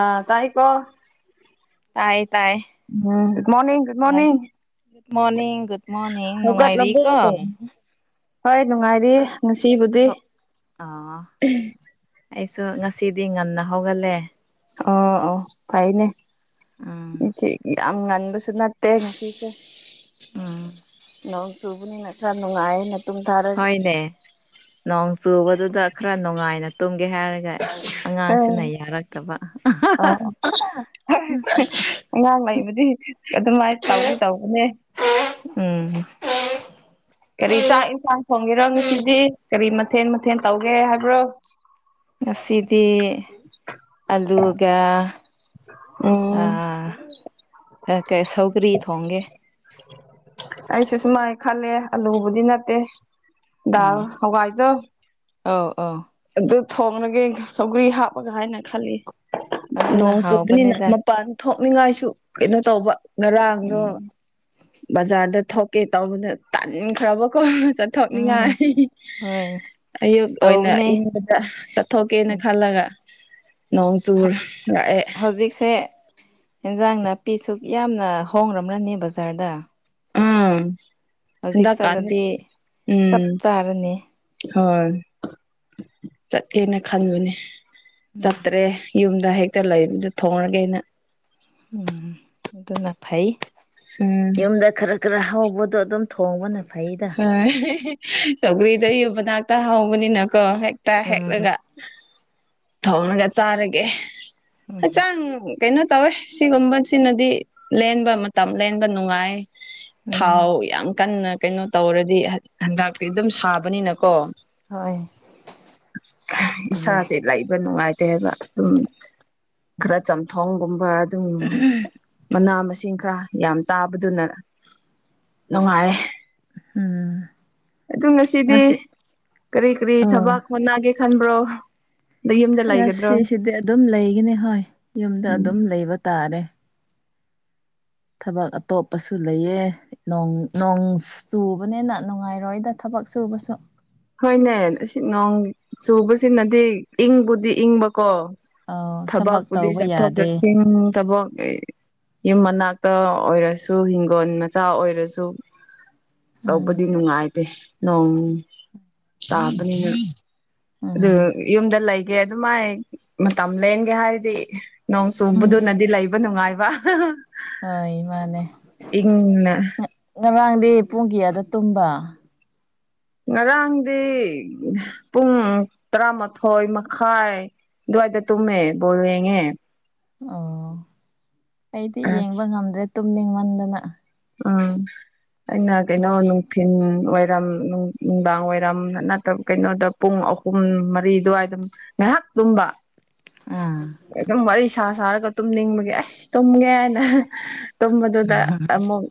ꯑꯥ ꯇꯥꯏ ꯀꯣ ꯇꯥꯏ ꯇꯥꯏ ꯎꯝ good morning good morning morning good morning ꯅꯨꯡꯉꯥꯏꯔꯤ ꯍꯧꯒꯠꯂꯕꯣ ꯀꯣ ꯍꯣꯏ ꯅꯨꯡꯉꯥꯏꯔꯤ ꯉꯁꯤꯕꯨꯗꯤ ꯁꯤꯗꯤ ꯉꯟꯅ ꯍꯧꯒꯠꯂꯦ ꯑꯥꯎ ꯑꯥꯎ ꯐꯩꯅꯦ ꯎꯝ ꯉꯁꯤꯗꯤ ꯌꯥꯝ ꯉꯟꯕꯁꯨꯅꯠꯇꯦ ꯉꯁꯤꯁꯦ ꯎꯝ ꯅꯣꯡ ꯆꯨꯕꯅꯤꯅ ꯈꯥꯔ ꯅꯅꯨꯡꯉꯥꯏ ꯅ ꯇꯨꯝꯊꯔꯒꯦ ꯍꯣꯏꯅꯦ ꯅꯣꯡ ꯆꯨꯕꯗꯨꯗ ꯈꯔ ꯅꯨꯡꯉꯥꯏꯅ ꯇꯨꯝꯒꯦ ꯍꯥꯏꯔꯒ ꯑꯥꯎ ꯑꯉꯥꯡꯁꯤꯅ ꯌꯥꯔꯛꯇꯕ ꯑꯥꯎ [unintelligible] ꯑꯉꯥꯡ ꯂꯩꯕꯗꯤ ꯑꯗꯨꯃꯥꯏ ꯇꯧꯗꯤ ꯇꯧꯕꯅꯦ ꯎꯝ [unintelligible] ꯀꯔꯤ ꯆꯥꯛ ꯏꯟꯁꯥꯡ ꯊꯣꯡꯒꯦꯔ ꯉꯁꯤꯗꯤ ꯀꯔꯤ ꯃꯊꯦꯜ ꯃꯊꯦꯜ ꯇꯧꯒꯦ ꯍꯥꯏꯕ꯭ꯔꯣ ꯉꯁꯤꯗꯤ ꯑꯂꯨꯒ ꯎꯝ ꯑꯥ ꯀ ꯁꯧꯒꯔꯤ ꯊꯣꯡꯒꯦ ꯑꯩꯁꯨ ꯁꯨꯃꯥꯏ ꯈꯜꯂꯦ ꯑꯂꯨꯕꯨꯗꯤ ꯅꯠꯇꯦ ꯗꯥꯜ ꯍꯋꯥꯏꯗꯣ ꯑꯥꯎ ꯑꯥꯎ ꯑꯗꯨ ꯊꯣꯡꯂꯒꯦ ꯁꯧꯒ꯭ꯔꯤ ꯍꯥꯞꯄꯒ ꯍꯥꯏꯅ ꯈꯜꯂꯤ ꯑꯗꯨꯅ ꯅꯣꯡ ꯆꯨꯄꯅꯤꯅ ꯍꯥꯎꯕꯅꯤꯗ ꯃꯄꯥꯟ ꯊꯣꯛ ꯅꯤꯡꯉꯥꯏꯁꯨ ꯀꯩꯅꯣ ꯇꯧꯕ ꯉꯔꯥꯡꯗꯣ ꯎꯝ ꯕꯖꯥꯔꯗ ꯊꯣꯛ ꯀꯦ ꯇꯧꯕꯗ ꯇꯟꯈ꯭ꯔꯕꯀꯣ ꯆꯠꯊꯣꯛꯅꯤꯡꯉꯥꯏ ꯎꯝ ꯍꯣꯏ ꯑꯌꯨꯛ ꯑꯣꯏꯅ ꯇꯧꯕꯅꯦ ꯏꯪꯕꯗ ꯆꯠꯊꯣꯛꯀꯦꯅ ꯎꯝ ꯈꯜꯂꯒ ꯅꯣꯡ ꯆꯨꯔ ꯂꯥꯛꯑꯦ ꯍꯧꯖꯤꯛꯁꯦ ꯏꯟꯖꯥꯡ ꯅꯥꯄꯤ ꯁꯨ ꯌꯥꯝꯅ ꯍꯣꯡꯔꯝ꯭ꯔꯅꯤ ꯕꯖꯥꯔꯗ ꯎꯝ ꯍꯧꯖꯤꯛ ꯍꯟꯗꯛꯀꯥꯟ ꯆꯠꯂꯗꯤ ꯆꯞ ꯎꯝ ꯆꯥꯔꯅꯤ ꯍꯣꯏ ꯆꯠꯀꯦꯅ ꯈꯟꯕꯅꯤ ꯆꯠꯇ꯭ꯔꯦ ꯌꯨꯝꯗ ꯍꯦꯛꯇ ꯂꯩꯕꯗꯨ ꯊꯣꯡꯉꯒꯦꯅ ꯎꯝ ꯑꯗꯨꯅ ꯐꯩ ꯎꯝ ꯌꯨꯝꯗ ꯈꯔ ꯈꯔ ꯍꯧ ꯕꯗꯣ ꯑꯗꯨꯝ ꯊꯣꯡꯕꯅ ꯐꯩꯗ ꯍꯣꯏ ꯁꯧꯒ꯭ꯔꯤꯗ ꯌꯨꯝꯃꯅꯥꯛꯇ ꯍꯧꯕꯅꯤꯅ ꯀꯣ ꯍꯦꯛꯇ ꯎꯝ ꯍꯦꯛꯂꯒ ꯊꯣꯡꯉꯒ ꯆꯥꯔꯒꯦ ꯎꯝ ꯍꯛꯆꯥꯡ ꯀꯩꯅꯣ ꯇꯧꯋꯦ ꯁꯤꯒꯨꯝꯕꯁꯤꯅꯗꯤ ꯂꯦꯟꯕ ꯃꯇꯝ ꯂꯦꯟꯕ ꯅꯨꯡꯉꯥꯏ ꯎꯝ ꯊꯥꯎ ꯌꯥꯝ ꯀꯟꯅ ꯀꯩꯅꯣ ꯇꯧꯔꯗꯤ ꯍꯟ ꯍꯟꯗꯛꯗꯤ ꯑꯗꯨꯝ ꯁꯥꯕꯅꯤꯅ ꯀꯣ ꯍꯣꯏ ꯍ ꯑꯗꯨꯅꯦ ꯏꯁꯥꯖꯦ ꯂꯩꯕ ꯅꯨꯡꯉꯥꯏꯇꯦ ꯍꯥꯏꯕ ꯗꯨꯝ ꯈꯔ ꯆꯝꯊꯣꯡꯒꯨꯝꯕ ꯑꯗꯨꯝ ꯃꯅꯥ ꯃꯁꯤꯡ ꯈꯔ ꯌꯥꯝ ꯆꯥꯕꯗꯨꯅ ꯅꯨꯡꯉꯥꯏꯌꯦ ꯎꯝ ꯑꯗꯨ ꯉꯁꯤꯗꯤ ꯉꯁꯤ ꯀꯔꯤ ꯀꯔꯤ ꯑꯣ ꯊꯕꯛ ꯍꯣꯠꯅꯒꯦ ꯈꯟꯕ꯭ꯔꯣ ꯌꯨꯝꯗ ꯂꯩꯒꯗ꯭ꯔꯣ ꯉꯁꯤꯁꯤꯗꯤ ꯑꯗꯨꯝ ꯂꯩꯒꯅꯤ ꯍꯣꯏ ꯌꯨꯝꯗ ꯎꯝ ꯑꯗꯨꯝ ꯂꯩꯕ ꯇꯥꯔꯦ ꯊꯕꯛ ꯑꯇꯣꯞꯄꯁꯨ ꯂꯩꯌꯦ ꯅꯣꯡ ꯅꯣꯡ ꯆꯨꯕꯅꯤꯅ ꯅꯨꯡꯉꯥꯏꯔꯣꯏꯗ ꯊꯕꯛ ꯕꯛ ꯁꯨꯕꯁꯨ ꯍꯣꯏꯅꯦ ꯑꯁꯤ ꯅꯣꯡ ꯆꯨꯕꯁꯤꯅꯗꯤ ꯏꯪꯕꯨꯗꯤ ꯏꯪꯕ ꯀꯣ ꯑꯧ ꯊꯕꯛ ꯊꯕꯛꯄꯨꯗꯤ ꯇꯧꯕ ꯆꯠꯊꯣꯛ ꯌꯥꯗꯦ ꯆꯠꯁꯤꯟ ꯊꯕꯛ ꯌꯨꯝ ꯃꯅꯥꯛꯇ ꯑꯣꯏꯔꯁꯨ ꯍꯤꯡꯒꯣꯟ ꯃꯆꯥ ꯑꯣꯏꯔꯁꯨ ꯎꯝ ꯇꯧꯕꯗꯤ ꯅꯨꯡꯉꯥꯏꯇꯦ ꯅꯣꯡ ꯇꯥꯕꯅꯤꯅ ꯑꯗꯨ ꯎꯝ ꯌꯨꯝꯗ ꯂꯩꯒꯦ ꯑꯗꯨꯃꯥꯏ ꯃꯇꯝ ꯂꯦꯟꯒꯦ ꯍꯥꯏꯔꯗꯤ ꯅꯣꯡ ꯎꯝ ꯆꯨꯕꯗꯨꯅꯗꯤ ꯂꯩꯕ ꯅꯨꯡꯉꯥꯏꯕ ꯍꯣꯏ ꯃꯥꯅꯦ ꯏꯪꯅ ꯉ ꯉꯔꯥꯡ ꯗꯤ ꯄꯨꯡ ꯀ꯭ꯌꯥꯗ ꯇꯨꯝꯕ ꯉꯔꯥꯡꯗꯤ ꯄꯨꯡ ꯇꯔꯥꯃꯥꯊꯣꯏ ꯃꯈꯥꯏ ꯗ꯭ꯋꯥꯏꯗ ꯇꯨꯝꯃꯦ ꯕꯣꯜ ꯌꯦꯡꯉꯦ ꯑꯣ ꯑꯩꯗꯤ ꯌꯦꯡꯕ ꯑꯁ ꯉꯝꯗ꯭ꯔꯦ ꯇꯨꯝꯅꯤꯡꯃꯟꯗꯅ ꯎꯝ ꯑꯩꯅ ꯀꯩꯅꯣ ꯃꯣꯏ ꯅꯨꯡꯊꯤꯟ ꯋꯥꯏꯔꯝ ꯅꯨꯡꯗꯥꯡ ꯋꯥꯏꯔꯝ ꯅꯠꯇꯕ ꯀꯩꯅꯣꯗ ꯄꯨꯡ ꯑꯍꯨꯝ ꯃꯔꯤ ꯗꯨꯋꯥꯏ ꯗꯨꯝ ꯉꯍꯥꯛ ꯇꯨꯝꯕ ꯑꯥ ꯑꯗꯨꯝ ꯋꯥꯔꯤ ꯁꯥ ꯁꯥꯔꯒ ꯇꯨꯝꯅꯤꯡꯕꯒꯤ ꯑꯁ ꯇꯨꯝꯒꯦ ꯍꯥꯏꯅ ꯇꯨꯝꯕꯗꯨꯗ ꯑꯃꯨꯛ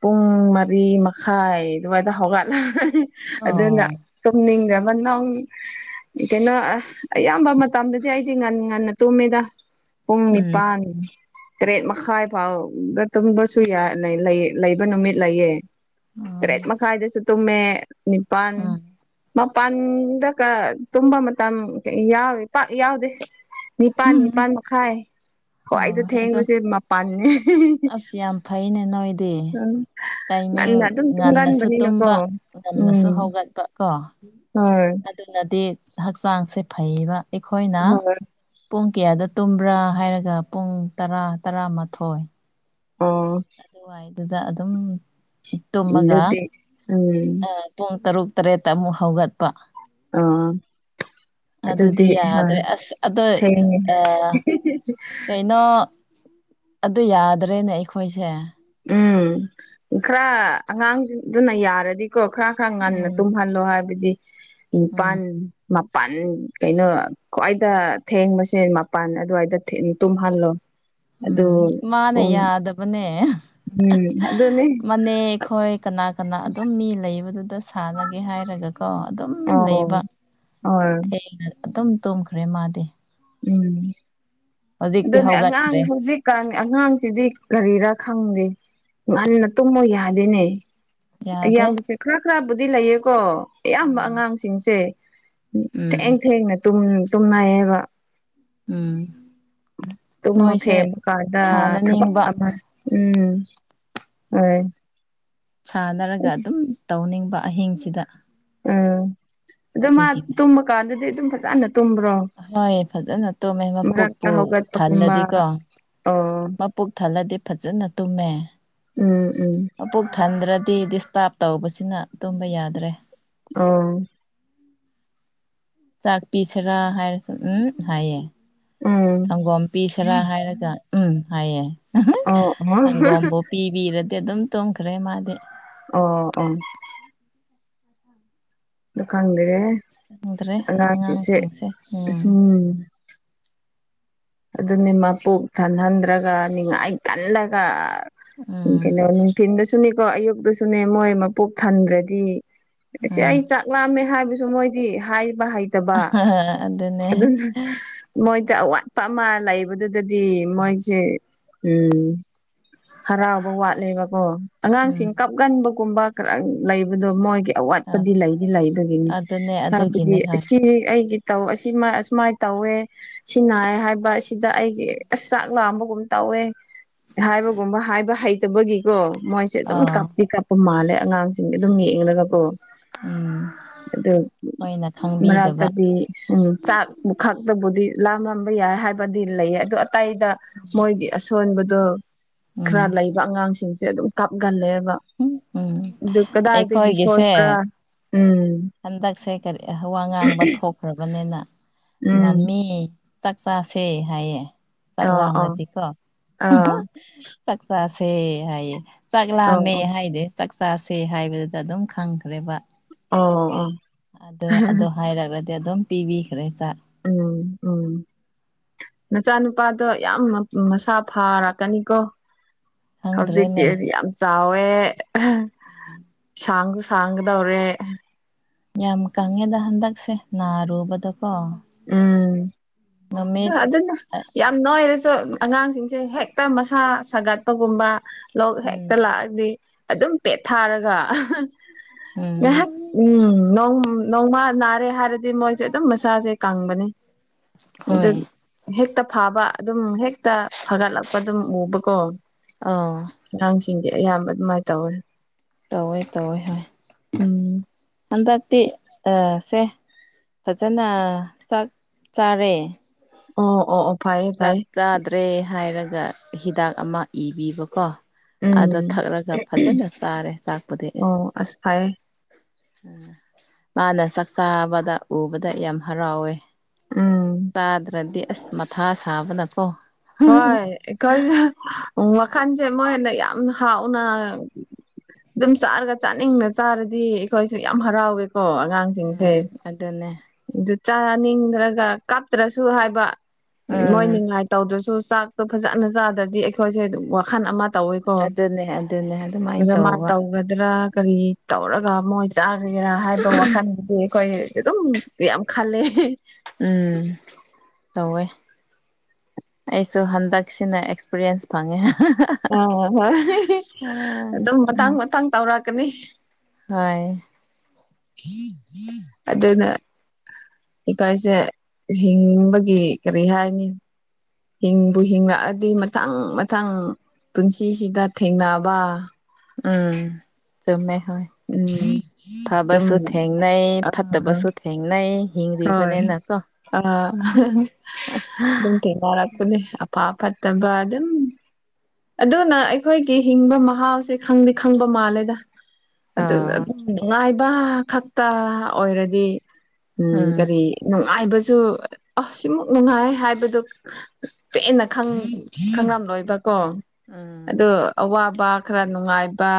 ꯄꯨꯡ ꯃꯔꯤ ꯃꯈꯥꯏ ꯗꯨꯋꯥꯏꯗ ꯍꯧꯒꯠꯂ ꯑꯗꯨꯅ ꯑꯣ ꯇꯨꯝꯅꯤꯡꯗꯕ ꯅꯣꯡ ꯀꯩꯅꯣ ꯑꯌꯥꯝꯕ ꯃ ꯇꯝꯗꯗꯤ ꯑꯩꯗꯤ ꯉꯟ ꯉꯟꯅ ꯇꯨꯝꯃꯤꯗ ꯄꯨꯡ ꯎꯝ ꯅꯤꯄꯥꯟ ꯇꯔꯦꯠ ꯃꯈꯥꯏ ꯐꯥꯎꯗ ꯇꯨꯝꯕꯁꯨ ꯌꯥꯏ ꯂꯩ ꯂꯩ ꯂꯩꯕ ꯅꯨꯃꯤꯠ ꯂꯩꯌꯦ ꯑꯣ ꯇꯔꯦꯠ ꯃꯈꯥꯏꯗꯁꯨ ꯇꯨꯝꯃꯦ ꯅꯤꯄꯥꯟ ꯎꯝ ꯃ ꯄꯟꯗ ꯀ ꯇꯨꯝꯕ ꯃꯇꯝ ꯌꯥꯎ ꯄꯥꯛ ꯌꯥꯎꯗꯦ ꯅꯤꯄꯥꯟ ꯎꯝ ꯅꯤꯄꯥꯟ ꯃꯈꯥꯏ ꯈ꯭ꯋꯥꯏꯗ ꯑꯣ ꯑꯗꯣ ꯊꯦꯡꯕꯁꯦ ꯃꯄꯥꯟꯅꯦ ꯑꯁ ꯌꯥꯝ ꯐꯩꯅꯦ ꯅꯣꯏꯗꯤ ꯎꯝ ꯇꯥꯏꯃꯤꯡ ꯉꯟꯅ ꯑꯗꯨꯝ ꯉꯟꯅꯁꯨ ꯇꯨꯝꯒꯟꯕꯅꯤꯅꯀꯣ ꯇꯨꯝꯕ ꯉꯟꯅꯁꯨ ꯎꯝ ꯍꯧꯒꯠꯄ ꯀꯣ ꯍꯣꯏ ꯑꯗꯨꯅꯗꯤ ꯍꯛꯆꯥꯡꯁꯦ ꯐꯩꯌꯦꯕ ꯑꯩꯈꯣꯏꯅ ꯍꯣꯏ ꯄꯨꯡ ꯀꯌꯥꯗ ꯇꯨꯝꯕ꯭ꯔꯥ ꯍꯥꯏꯔꯒ ꯄꯨꯡ ꯇꯔꯥ ꯇꯔꯥꯃꯥꯊꯣꯏ ꯑꯣ ꯗꯨꯗ ꯑꯗꯨꯝ [unintelligible] ꯑ ꯄꯨꯡ ꯇꯔꯨꯛ ꯇꯔꯦꯠꯇ ꯑꯃꯨꯛ ꯍꯧꯒꯠꯄ ꯑ [unintelligible] ꯑꯗꯨꯗꯤ ꯌꯥꯗ꯭ꯔꯦ ꯑꯁ ꯑꯗꯣꯏ ꯊꯦꯡꯉꯦ ꯑ ꯀꯩꯅꯣ ꯑꯗꯨ ꯌꯥꯗ꯭ꯔꯦꯅꯦ ꯑꯩꯈꯣꯏꯁꯦ ꯎꯝ ꯈꯔ ꯑꯉꯥꯡꯗꯨꯅ ꯌꯥꯔꯗꯤ ꯀꯣ ꯈꯔ ꯈꯔ ꯉꯟꯅ ꯎꯝ ꯇꯨꯝꯍꯜꯂꯣ ꯍꯥꯏꯕꯗꯤ ꯎꯝ ꯅꯤꯄꯥꯟ ꯃꯥ ꯄꯟ ꯀꯩꯅꯣ ꯈ꯭ꯋꯥꯏꯗ ꯊꯦꯡꯕꯁꯦ ꯃꯄꯟ ꯑꯗꯨꯋꯥꯏꯗ ꯊꯦ ꯇꯨꯝꯍꯜꯂꯣ ꯑꯗꯨ ꯎꯝ ꯃꯥꯟꯅ ꯄꯨꯡ ꯌꯥꯗꯕꯅꯦꯗ ꯎꯝ ꯑꯗꯨꯅꯦ ꯃꯅꯦ ꯈꯣꯏ ꯀꯅꯥ ꯀꯅꯥ ꯑꯗꯨꯝ ꯃꯤ ꯂꯩ ꯂꯩꯕꯗꯨꯗ ꯁꯥꯟꯅꯒꯦ ꯍꯥꯏꯔꯒꯀꯣ ꯑꯗꯨꯝ ꯑꯣ ꯂꯩꯕ ꯍꯣꯏ ꯊꯦꯡꯅ ꯑꯗꯨꯝ ꯇꯨꯝꯈ꯭ꯔꯦ ꯃꯥꯗꯤ ꯎꯝ ꯍꯧꯖꯤꯛꯇꯤ ꯑꯗꯨꯅꯦ ꯑꯉꯥꯡ ꯍꯧꯒꯠꯈ꯭ꯔꯦ ꯍꯧꯖꯤꯛꯀꯥꯟ ꯑꯉꯥꯡꯁꯤꯗꯤ ꯀꯔꯤꯔꯥ ꯈꯪꯗꯦ ꯉꯟꯅ ꯇꯨꯝꯃꯣ ꯌꯥꯗꯦꯅꯦ ꯌꯥꯗꯦ ꯏꯌꯥꯝꯕꯁꯦ ꯈꯔ ꯈꯔꯕꯨꯗꯤ ꯂꯩꯌꯦꯀꯣ ꯑꯌꯥꯝꯕ ꯎꯝ ꯑꯉꯥꯡꯁꯤꯡꯁꯦ ꯎꯝ ꯊꯦꯡ ꯊꯦꯡꯅꯩ ꯌꯦꯕ ꯎꯝ ꯇꯨꯝꯕ ꯃꯣꯏꯁꯦ ꯊꯦꯝꯕ ꯀꯟꯗ ꯊꯕꯛ ꯁꯥꯟꯅꯅꯤꯡꯕ ꯑꯃ ꯑꯣꯢ ꯁꯥꯟꯅꯔꯒ ꯑꯗꯨꯝ ꯇꯧꯅꯤꯡꯕ ꯑꯍꯤꯡꯁꯤꯗ ꯎꯝ ꯑꯗꯣ ꯃꯥ ꯑꯗꯨꯒꯤꯅꯦ ꯇꯨꯝꯃꯀꯥꯟꯗꯗꯤ ꯑꯗꯨꯝ ꯐꯖꯅ ꯇꯨꯝꯕ꯭ꯔꯣ ꯍꯣꯏ ꯐꯖꯅ ꯇꯨꯝꯃꯦ ꯃ ꯃꯔꯛꯇ ꯄꯨꯛꯄꯨ ꯍꯧꯒꯠꯄꯒꯨꯝꯕ ꯊꯥꯟꯂꯗꯤꯀꯣ ꯑꯣ ꯃꯕꯨꯛ ꯊꯜꯂꯗꯤ ꯐꯖꯅ ꯇꯨꯝꯃꯦ ꯎꯝ ꯎꯝ ꯇꯦ ꯗꯤꯁ ꯇꯥꯔꯕ ꯇꯧꯕꯁꯤꯅ ꯇꯨꯝꯕ ꯌꯥꯗ꯭ꯔꯦ ꯑꯣ ꯆꯥꯛꯄꯤꯁꯤꯔꯥ ꯍꯥꯏꯔꯁꯨ ꯎꯝ ꯍꯥꯏꯌꯦ ꯁꯪꯒꯣꯝ ꯄꯤꯁꯦꯔꯥ ꯍꯥꯏꯔꯒ ꯎꯝ ꯍꯥꯏꯌꯦ ꯑꯣ ꯑꯣ ꯁꯪꯒꯣꯝꯕꯨ ꯄꯤꯕꯤꯔꯗꯤ ꯑꯗꯨꯝ ꯇꯨꯝꯈ꯭ꯔꯦ ꯃꯥꯗꯤ ꯑꯣ ꯑꯣ ꯗꯨ ꯈꯪꯗꯦꯍꯦ ꯑꯉꯥꯡꯁꯤꯡꯁꯦ ꯎꯝ ꯑꯗꯨꯅꯤ ꯃꯄꯨꯛ ꯊꯟꯍꯟꯗ꯭ꯔꯒ ꯅꯤꯡꯉꯥꯏ ꯀꯜꯂꯒ ꯎꯝ ꯀꯩꯅꯣ ꯅꯨꯡꯊꯤꯟꯗꯁꯨꯅꯦꯀꯣ ꯑꯌꯨꯛꯇꯁꯨꯅꯦ ꯃꯣꯏ ꯃꯄꯣꯛ ꯊꯟꯗ꯭ꯔꯗꯤ ꯁꯤ ꯎꯝ ꯑꯩ ꯆꯥꯛꯂꯝꯥꯑꯝꯃꯦ ꯍꯥꯏꯕꯁꯨ ꯃꯣꯏꯗꯤ ꯍꯥꯏ ꯍꯩꯇꯕ ꯑꯗꯨꯅꯦ ꯑꯗꯨꯅ ꯃꯣꯏꯗ ꯎꯝ ꯑꯋꯥꯠ ꯑꯃ ꯂꯥꯛꯕꯗꯨꯗꯗꯤ ꯃꯣꯏꯁꯦ ꯎꯝ ꯍꯔꯥꯎꯕ ꯋꯥꯠꯂꯦꯕꯀꯣ ꯎꯝ ꯑꯉꯥꯡꯁꯤꯡ ꯀꯞꯀꯟꯕ ꯀꯨꯝꯕ ꯈꯔ ꯂꯩꯕꯗꯣ ꯃꯣꯏꯒꯤ ꯑ ꯑꯋꯥꯠꯄꯗꯤ ꯂꯩꯗꯤ ꯂꯩꯕꯒꯤꯅꯤ ꯑꯗꯨꯅꯦ ꯑꯗꯨꯒꯤꯅꯦ ꯍꯥꯏꯕꯗꯤ ꯍꯣꯏ ꯁꯤ ꯑꯩꯒꯤ ꯇꯧ ꯑꯁꯨꯃꯥꯏꯅ ꯇꯧꯋꯦ ꯁꯤ ꯅꯥꯏ ꯍꯥꯏꯕ ꯁꯤꯗ ꯑꯩꯒꯤ ꯑꯁ ꯆꯥꯛ ꯂꯥꯝꯕꯒꯨꯝ ꯇꯧꯋꯦ ꯍꯥꯏꯕꯒꯨꯝꯕ ꯍꯥꯏꯕ ꯍꯩꯇꯕꯒꯤꯀꯣ ꯃꯣꯏꯁꯦ ꯑꯗꯨꯝ ꯑꯥ ꯀꯥꯞꯇꯤ ꯀꯥꯞꯄ ꯃꯥꯜꯂꯦ ꯑꯉꯥꯡ ꯑꯗꯨꯝ ꯌꯦꯡꯂꯒꯀꯣ ꯎꯝ ꯑꯗꯨ ꯍꯣꯏꯅ ꯈꯪꯕꯤꯗꯕ ꯃꯅꯥꯛꯇꯗꯤ ꯎ ꯆꯥꯛ ꯈꯥꯛꯇꯕꯨꯗꯤ ꯂꯥꯝ ꯂꯝꯕ ꯌꯥꯏ ꯍꯥꯏꯕꯗꯤ ꯂꯩꯌꯦ ꯑꯗꯨ ꯑꯇꯩꯗ ꯃꯣꯏꯒꯤ ꯑꯁꯣꯟꯕꯗꯣ ꯈꯔ ꯎꯝ ꯂꯩꯕ ꯑꯉꯥꯡꯁꯤꯡꯁꯦ ꯑꯗꯨꯝ ꯀꯥꯞꯒꯜꯂꯦ ꯕ ꯎꯝ ꯎꯝ ꯑꯗꯨ ꯀꯗꯥꯏꯗꯒꯤ ꯑꯩꯈꯣꯏꯒꯤꯁꯦ ꯁꯣꯏꯕ꯭ꯔꯥ ꯎꯝ ꯍꯟꯗꯛꯁꯦ ꯀꯔꯤ ꯋꯥ ꯉꯥꯡꯕ ꯊꯣꯛꯈ꯭ꯔꯕꯅꯤꯅ ꯎꯝ ꯃꯃꯤ ꯆꯥꯛꯆꯥꯥꯁꯦ ꯍꯥꯏꯌꯦ ꯑꯥ ꯑꯥ ꯆꯥꯛꯂꯥꯝꯔꯗꯤꯀꯣ ꯑꯥ ꯆꯥꯛꯆꯥꯥꯁꯦ ꯁꯦ ꯍꯥꯏꯌꯦ ꯆꯥꯛ ꯑꯧ ꯂꯥꯃꯦ ꯑꯧ ꯍꯥꯏꯗꯦꯔ ꯆꯥꯛ ꯆꯥꯁꯦ ꯍꯥꯏꯕꯗꯨꯗ ꯑꯗꯨꯝ ꯈꯪꯈ꯭ꯔꯦꯕ ꯑꯣ ꯑꯣ ꯑꯗꯨ ꯑꯗꯨ ꯍꯥꯏꯔꯗꯤ ꯑꯗꯨꯝ ꯄꯤꯕꯤꯈ꯭ꯔꯦ ꯆꯥꯛ ꯎꯝ ꯎꯝ ꯃꯆꯥꯅꯨꯄꯥꯗꯣ ꯌꯥꯝ ꯃꯁꯥ ꯐꯥꯔꯛ ꯀꯅꯤꯀꯣ ꯍꯧꯖꯤꯛꯗꯤ ꯈꯪꯗ꯭ꯔꯦꯅꯦ ꯌꯥꯝ ꯆꯥꯎꯋꯦ ꯑꯍꯦ ꯎꯝ ꯁꯥꯥꯡꯖꯨ ꯁꯥꯥꯡꯉꯗꯧꯔꯦ ꯌꯥꯝ ꯀꯪꯉꯦꯗ ꯍꯟꯗꯛꯁꯦ ꯅꯥꯔꯨꯕꯗꯀꯣ ꯎꯝ ꯅꯨꯃꯤꯠ ꯑꯗꯨꯅ ꯌꯥꯝ ꯅꯣꯢꯔꯁꯨ ꯑꯉꯥꯡꯁꯤꯡꯁꯦ ꯍꯦꯛꯇ ꯃꯁꯥ ꯁꯥꯒꯠꯄꯒꯨꯝꯕ ꯂꯣꯛ ꯍꯦꯛꯇ ꯎꯝ ꯂꯥꯛꯑꯗꯤ ꯑꯗꯨꯝ ꯄꯦꯠꯊꯥꯔꯒ ꯉꯥꯏꯍꯥꯛ ꯎꯝ ꯎꯝ ꯅꯣꯝ ꯅꯣꯡꯃꯥ ꯅꯥꯔꯦ ꯍꯥꯏꯔꯗꯤ ꯃꯣꯏꯁꯦ ꯑꯗꯨꯝ ꯃꯁꯥꯁꯦ ꯀꯪꯕꯅꯦ ꯑꯗꯨ ꯍꯣꯏ ꯍꯦꯛꯇ ꯐꯥꯕ ꯑꯗꯨꯝ ꯍꯦꯛꯇ ꯐꯒꯠꯂꯛꯄ ꯑꯗꯨꯝ ꯎꯕꯀꯣ ꯑꯧ ꯆꯤꯡꯖꯦ ꯑꯌꯥꯝꯕ ꯑꯗꯨꯃꯥꯏꯅ ꯇꯧꯋꯦ ꯇꯧꯋꯦ ꯇꯧꯋꯦ ꯍꯣꯏ ꯎꯝ ꯍꯟꯗꯥꯛ ꯇꯤ ꯑꯥ ꯁꯦ ꯐꯖꯅ ꯆꯥꯛ ꯆꯥꯔꯦ ꯑꯣ ꯑꯣ ꯑꯣ ꯐꯩꯌꯦ ꯆꯥꯛ ꯐꯩꯌꯦ ꯆꯥꯗ꯭ꯔꯦ ꯍꯥꯏꯔꯒ ꯍꯤꯗꯥꯛ ꯑꯃ ꯏꯕꯤꯕꯀꯣ ꯑꯗꯣ ꯎꯝ ꯊꯛꯂꯒ ꯐꯖꯅ ꯆꯥꯔꯦ ꯆꯥꯛꯄꯨꯗꯤ ꯑꯣ ꯑꯁ ꯐꯩꯌꯦ ꯃꯥꯅ ꯆꯥꯛꯆꯥꯥꯕꯗ ꯎꯕꯗ ꯌꯥꯝ ꯍꯔꯥꯎꯋꯦ ꯎꯝ ꯇꯥꯗ꯭ꯔꯗꯤ ꯑꯁ ꯃꯊꯥ ꯁꯥꯕꯅꯀꯣ ꯍꯣꯏ ꯑꯩꯈꯣꯏꯖꯨ ꯋꯥꯈꯥꯟꯁꯦ ꯃꯣꯏꯅ ꯌꯥꯝ ꯍꯥꯥꯎꯅ ꯑꯗꯨꯝ ꯆꯥꯔꯒ ꯆꯥꯅꯤꯡꯅ ꯆꯥꯔꯗꯤ ꯑꯩꯈꯣꯏꯁꯨ ꯌꯥꯝ ꯍꯔꯥꯎꯋꯦ ꯀꯣ ꯑꯉꯥꯡꯁꯤꯡꯁꯦ ꯎꯝ ꯑꯗꯨꯅꯦ ꯑꯗꯨ ꯆꯥꯅꯤꯡꯗ꯭ꯔꯒ ꯀꯥꯞꯇ꯭ꯔꯁꯨ ꯍꯥꯏꯕ ꯎꯝ ꯃꯣꯏ ꯅꯤꯡꯉꯥꯏ ꯇꯧꯗ꯭ꯔꯁꯨ ꯁꯨ ꯆꯥꯛꯇꯨ ꯐꯖꯅ ꯆꯥꯗ꯭ꯔꯗꯤ ꯑꯩꯈꯣꯏꯁꯦ ꯑꯗꯨꯝ ꯋꯥꯈꯜ ꯑꯃ ꯇꯧꯋꯦꯀꯣ ꯑꯗꯨꯅꯦ ꯑꯗꯨꯅꯦ ꯑꯗꯨꯃꯥꯏꯅ ꯑꯗ ꯃꯥ ꯇꯧꯕ ꯇꯧꯒꯗ꯭ꯔꯥ ꯀꯔꯤ ꯇꯧꯔꯒ ꯃꯣꯏ ꯆꯥꯈ꯭ꯔꯒꯦꯔꯥ ꯍꯥꯏꯕ ꯋꯥꯈꯜꯗꯨꯗꯤ ꯑꯩꯈꯣꯏ ꯑꯗꯨꯝ ꯌꯥꯝ ꯈꯜꯂꯦ ꯍꯤꯍꯤ ꯎꯝ ꯇꯧꯋꯦ ꯑꯩꯁꯨ ꯍꯟꯗꯛꯁꯤꯅ ꯑꯦꯛꯁꯄꯤꯔꯤꯌꯦꯟꯁ ꯐꯪꯉꯦ ꯑꯣ ꯍꯣꯏ ꯍꯤꯍꯣ ꯑꯗꯨꯝ ꯃꯇꯥꯡ ꯃꯇꯥꯡ ꯇꯧꯔꯛꯀꯅꯤ ꯍꯣꯢ ꯑꯗꯨꯅ ꯏꯀꯥꯏꯁꯦ ꯍꯤꯡꯕꯒꯤ ꯀꯔꯤ ꯍꯥꯏꯅꯤ ꯍꯤꯡꯕꯨ ꯍꯤꯡꯉꯛꯑꯗꯤ ꯃꯊꯪ ꯃꯊꯪ ꯄꯨꯟꯁꯤꯁꯤꯗ ꯊꯦꯡꯅꯕ ꯎꯝ ꯆꯨꯝꯃꯦ ꯍꯣꯏ ꯎꯝ ꯑꯗꯨꯝ ꯐꯕꯁꯨ ꯊꯦꯡꯅꯩ ꯑ ꯐꯠꯇꯕꯁꯨ ꯊꯦꯡꯅꯩ ꯍꯣꯏ ꯍꯤꯡꯔꯤꯕꯅꯤꯅꯀꯣ ꯑꯥ ꯑꯍꯥ ꯑꯗꯨꯝ ꯊꯦꯡꯅ ꯔꯛꯀꯅꯤ ꯑꯄꯥ ꯑꯐꯠꯇꯕ ꯑꯗꯨꯝ ꯑꯗꯨꯅ ꯑꯩꯈꯣꯏꯒꯤ ꯍꯤꯡꯕ ꯃꯍꯥꯎꯁꯦ ꯈꯪꯗꯤ ꯈꯪꯕ ꯃꯥꯜꯂꯦꯗ ꯑꯗꯨꯒ ꯑꯥ ꯑꯗꯨꯝ ꯅꯨꯡꯉꯥꯏꯕ ꯈꯛꯇ ꯑꯣꯏꯔꯗꯤ ꯎꯝ ꯀꯔꯤ ꯅꯨꯡꯉꯥꯏꯕꯁꯨ ꯑꯁꯤꯃꯨꯛ ꯅꯨꯡꯉꯥꯏ ꯍꯥꯏꯕꯗꯨ ꯄꯦꯟꯅ ꯈꯪꯉ ꯈꯡꯂꯣꯏꯕꯀꯣ ꯎꯝ ꯑꯗꯨ ꯑꯋꯥꯕ ꯈꯔ ꯅꯨꯡꯉꯥꯏꯕ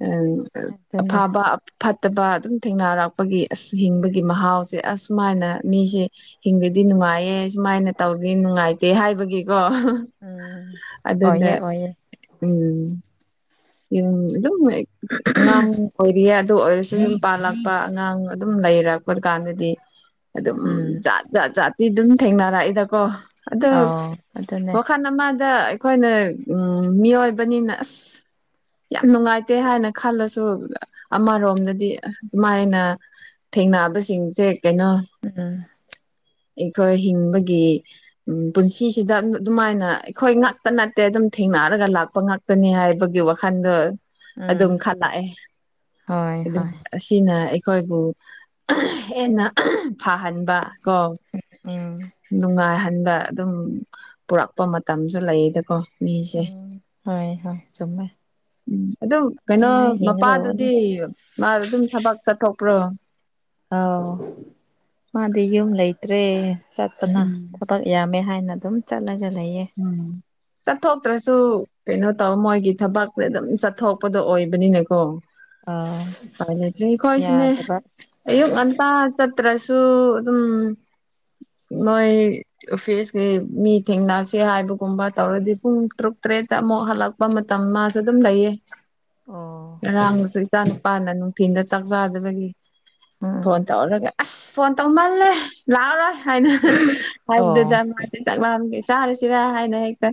ꯎꯝ ꯑꯗꯨꯅꯦ ꯑꯐꯥꯕ ꯐꯠ ꯐꯠꯇꯕ ꯑꯗꯨꯝ ꯊꯦꯡꯅꯔꯛꯄꯒꯤ ꯑꯁ ꯍꯤꯡꯕꯒꯤ ꯃꯍꯥꯎꯁꯦ ꯑꯁ ꯁꯨꯃꯥꯏꯅ ꯃꯤꯁꯦ ꯍꯤꯡꯕꯗꯤ ꯅꯨꯡꯥꯏ ꯅꯨꯡꯉꯥꯏꯌꯦ ꯁꯨꯃꯥꯏꯅ ꯇꯧꯗꯤ ꯅꯨꯡꯉꯥꯏꯇꯦ ꯍꯥꯏꯕꯒꯤꯀꯣ ꯎꯝ ꯑꯣꯏꯌꯦ ꯑꯣꯏꯌꯦ ꯎꯪꯎ ꯎꯪꯎ ꯑꯗꯨꯝ ꯑꯉꯥꯡ ꯑꯣꯏꯔꯤꯌꯦ ꯑꯗꯨꯑꯣꯏꯔꯁꯨ ꯌꯨꯝ ꯄꯥꯜꯂꯛꯄ ꯑꯉꯥꯡ ꯑꯗꯨꯝ ꯂꯩꯔꯛꯄꯀꯥꯟꯗꯗꯤ ꯑꯗꯨꯝ ꯎꯝ ꯖꯥꯠꯖꯥꯠ ꯖꯥꯇꯤ ꯑꯗꯨꯝ ꯊꯦꯡꯅꯔꯛꯏꯗꯀꯣ ꯑꯥꯗꯨ ꯑꯥꯎ ꯑꯗꯨꯅꯦ ꯋꯥꯈꯟ ꯑꯃ ꯗ ꯑꯩꯈꯣꯏꯅ ꯃꯤꯑꯣꯏꯕꯅꯤꯅ ꯑꯥꯁ ꯌꯥꯝꯅꯨꯡꯉꯥꯏꯇꯦ ꯍꯥꯏꯅ ꯈꯜꯂꯁꯨ ꯑꯃꯔꯣꯝꯗꯗꯤ ꯃꯥꯏꯅ ꯊꯦꯡꯅꯕꯁꯤꯡꯖꯦ ꯀꯩꯅꯣ ꯎꯝ ꯑꯩꯈꯣꯏ ꯍꯤꯡꯕꯒꯤ ꯎꯝ ꯄꯨꯟꯁꯤꯁꯤꯗ ꯑꯗꯨꯃꯥꯏꯅ ꯑꯩꯈꯣꯏ ꯉꯛꯇꯅꯠꯇꯦ ꯑꯗꯨꯝ ꯊꯦꯡ ꯅꯥꯔꯒ ꯂꯥꯛꯄꯉꯥꯛꯇꯅꯤ ꯍꯥꯏꯕꯒꯤ ꯒꯤ ꯋꯥꯈꯜꯗꯣ ꯎꯝ ꯑꯗꯨꯝ ꯈꯜ ꯂꯛꯑꯦ ꯍꯣꯏ ꯍꯣꯏ ꯑꯁꯤꯅ ꯑꯩꯈꯣꯏꯕꯨ ꯑꯥꯍꯪ ꯍꯦꯟꯅ ꯐꯍꯟꯕꯥ ꯀꯣ ꯎꯝ ꯅꯨꯡꯉꯥꯢꯍꯟ ꯈꯟꯕ ꯑꯗꯨꯝ ꯄꯨꯔꯛꯄ ꯃꯇꯝꯖꯨ ꯂꯩꯗꯀꯣ ꯎꯪ ꯍꯣꯏ ꯍꯣꯏ ꯆꯨꯝꯃꯦ ꯎꯝ ꯑꯗꯨ ꯀꯩꯅꯣ ꯑꯗꯨꯃꯥꯏꯅ ꯍꯤꯡꯒꯗꯧꯕꯅꯦ ꯃꯄꯥꯗꯨꯗꯤ ꯃꯥꯗꯤꯑꯗꯨꯝ ꯊꯕꯛ ꯆꯠꯊꯣꯛ ꯄꯨ꯭ꯔꯣ ꯑꯥꯎ ꯃꯥꯗꯤ ꯌꯨꯝꯂꯩꯇ꯭ꯔꯦ ꯆꯠꯄꯅ ꯎꯝ ꯊꯕꯛ ꯌꯥꯝꯃꯦ ꯍꯥꯏꯅ ꯑꯗꯨꯝ ꯆꯠꯂꯒ ꯂꯩꯌꯦ ꯎꯝ ꯆꯠꯊꯣꯛꯇ꯭ꯔꯁꯨ ꯀꯩꯅꯣ ꯇꯧ ꯃꯣꯏꯒꯤ ꯊꯕꯛꯇꯤ ꯑꯗꯨꯝ ꯆꯠꯊꯣꯛꯄꯗꯣ ꯑꯣꯏꯕꯅꯤꯅꯦꯀꯣ ꯑꯥ ꯑꯩꯈꯣꯏꯁꯨꯅꯦ ꯌꯥꯗꯕ ꯑꯌꯨꯛ ꯉꯟꯇꯥ ꯆꯠ ꯇ꯭ꯔꯁꯨ ꯑꯗꯨꯝ ꯃꯣꯏ ꯑꯣꯐꯤꯁꯀꯤ ꯃꯤ ꯊꯦꯡꯅꯁ ꯁꯦ ꯍꯥꯏꯕꯒꯨꯝꯕ ꯇꯧꯔꯗꯤ ꯄꯨꯡ ꯇ꯭ꯔꯨꯛ ꯇ꯭ꯔꯦꯠꯇ ꯑꯃꯨꯛ ꯍꯜꯂꯛꯄ ꯃꯇꯝ ꯃꯥꯖꯨ ꯑꯗꯨꯝ ꯂꯩꯌꯦ ꯑꯣ ꯉꯔꯥꯡꯗꯨꯖꯨ ꯏꯆꯥ ꯅꯨꯄꯥꯅ ꯅꯨꯡꯊꯤꯜꯗ ꯆꯥꯛ ꯆꯥꯗꯕꯒꯤ ꯎꯝ ꯐꯣꯟ ꯇꯧꯔꯒ ꯑꯥꯁ ꯐꯣꯟ ꯇꯧꯃꯜꯂꯦ ꯂꯥꯛꯑꯔꯣꯏ ꯍꯥꯏꯅ ꯑꯣ ꯍꯥꯏꯕꯗꯨꯗ ꯃꯥꯖꯦ ꯆꯥꯛꯂꯝꯕꯒꯤ ꯆꯥꯔꯦ ꯁꯤꯔ ꯍꯥꯏꯅ ꯍꯦꯛꯇ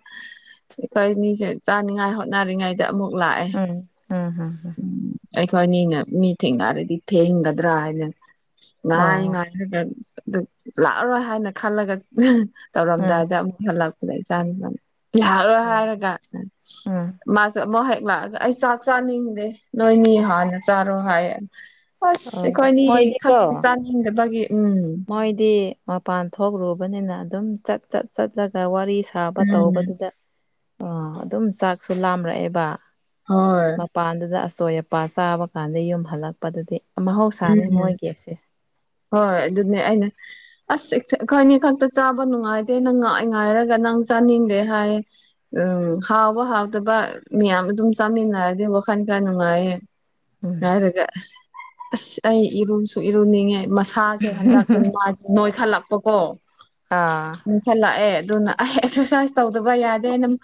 ꯑꯩꯈꯣꯏꯅꯤꯖꯦ ꯆꯥꯅꯤꯡꯉꯥꯏ ꯍꯣꯠꯅꯔꯤꯉꯥꯏꯗ ꯑꯃꯨꯛ ꯂꯥꯛꯑꯦ INAUDIBLE ꯎꯝ ꯑꯩꯈꯣꯏꯅꯤꯅ ꯃꯤꯊꯦꯡꯅꯔꯗꯤ ꯊꯦꯡꯒꯗ꯭ꯔꯥ ꯍꯥꯏꯅ ꯑꯣ ꯉꯥꯏ-ꯉꯥꯏꯔꯒ ꯑꯗꯨ ꯂꯥꯛꯑꯔꯣꯏ ꯍꯥꯏꯅ ꯈꯜꯂꯒ ꯎꯝ ꯇꯧꯔꯝꯗꯥꯏꯗꯑꯃꯨꯛ ꯍꯜꯂꯛ ꯗꯥ ꯢꯆꯥꯅꯨꯄꯥꯅ ꯂꯥꯛꯑꯔꯣꯏ ꯑꯣ ꯍꯥꯏꯔꯒꯅ ꯎꯝ ꯃꯥꯁꯨ ꯑꯃꯨꯛ ꯍꯦꯛ ꯂꯥꯛꯑꯒ ꯑꯩ ꯆꯥꯛ-ꯆꯥꯅꯤꯡꯗꯦ ꯅꯣꯏꯅꯤꯍꯥꯟꯅ ꯆꯥꯔꯣ ꯍꯥꯏꯌꯦ ꯑꯥꯁ ꯑꯣ ꯑꯩꯈꯣꯏꯅꯤ ꯃꯣꯏꯗꯤꯀꯣ ꯈꯛꯇꯥ ꯆꯥꯅꯤꯡꯗꯕꯒꯤ ꯎꯝ ꯃꯣꯏꯗꯤ ꯃꯄꯥꯟ ꯊꯣꯛꯂꯨꯕꯅꯤꯅ ꯑꯗꯨꯝ ꯆꯠꯆꯠ- ꯆꯠꯂꯒ ꯋꯥꯔꯤ ꯁꯥꯕ ꯎꯝ ꯇꯧꯕꯗꯨꯗ ꯑꯥ ꯑꯗꯨꯝ ꯆꯥꯛꯁꯨ ꯂꯥꯝꯔꯛꯑꯦꯕ ꯍꯣꯏ ꯃꯄꯥꯟꯗꯨꯗ ꯑꯆꯣꯏ꯭ ꯑꯄꯥ ꯆꯥꯕ ꯀꯥꯟꯗ ꯌꯨꯝ ꯍꯜꯂꯛꯄꯗꯗꯤ ꯃꯍꯧꯁꯥꯅꯤ ꯎꯝ ꯃꯣꯏꯒꯤ ꯑꯁꯦ INAUDIBLE ꯑꯥꯁ ꯑꯩꯈꯣꯏꯅꯤ ꯈꯛꯇ ꯆꯥꯕ ꯅꯨꯡꯉꯥꯏꯇꯦꯅ ꯅꯪ ꯉꯥꯏ -ꯉꯥꯏꯔꯒ ꯅꯪ ꯆꯥꯅꯤꯡꯗꯦ ꯍꯥꯏꯌꯦ ꯎꯪꯝ ꯍꯥꯎꯕ- ꯍꯥꯎꯇꯕ ꯃꯤꯌꯥꯝ ꯑꯗꯨꯝ ꯆꯥꯃꯤꯟꯅꯔꯗꯤ ꯋꯥꯈꯜ ꯈꯔ ꯅꯨꯡꯉꯥꯏꯌꯦ ꯎꯝ ꯉꯥꯏꯔꯒ ꯑꯥꯁ ꯑꯩ ꯏꯔꯨꯁꯨ-ꯏꯔꯨꯅꯤꯡꯉꯦ ꯃꯁꯛ ꯁꯥꯥꯁꯦ ꯍꯟꯗꯛꯇꯤ ꯃꯥꯖꯦ ꯅꯣꯏꯈꯠꯂꯛꯄꯀꯣ ꯑꯥ ꯏꯪꯁꯟꯂꯛꯑꯦ ꯑꯗꯨꯅ ꯑꯩ ꯑꯦꯛꯁꯔꯁꯥꯏꯖ ꯇꯧꯗꯕ ꯌꯥꯗꯦꯅ ꯃꯥ